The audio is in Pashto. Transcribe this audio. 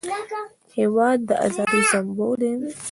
هېواد د ازادۍ سمبول دی.